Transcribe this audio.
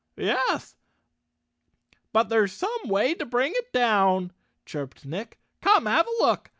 "Yes, but there's some way to bring it down," chirped Nick. " Come have a look.